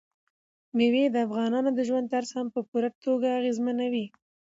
مېوې د افغانانو د ژوند طرز هم په پوره توګه اغېزمنوي.